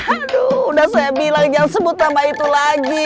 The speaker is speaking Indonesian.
aduh udah saya bilang jangan sebut nama itu lagi